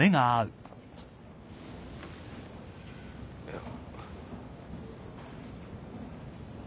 いや。